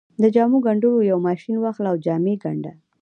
د جامو ګنډلو يو ماشين واخله او جامې ګنډه.